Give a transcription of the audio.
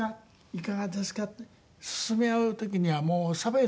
「いかがですか」って勧め合う時にはもう差別も区別もない。